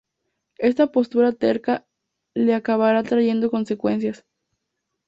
Esta postura terca le acabará trayendo consecuencias.